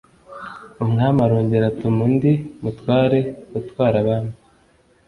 umwami arongera atuma undi mutware utwara abami